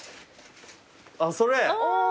あっそれ？